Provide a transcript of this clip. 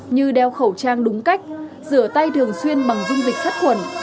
như đeo khẩu trang đúng cách rửa tay thường xuyên bằng dung dịch sát khuẩn